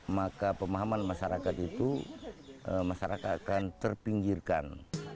maka pemahaman masyarakat itu masyarakat akan terpinggirkan